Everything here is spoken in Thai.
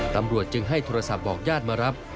ตำรวจจึงให้โทรศัพท์บอกญาติมารับ